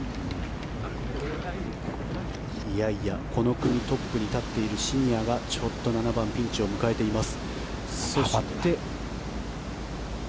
この組トップに立っているシニアがちょっと７番ピンチを迎えています。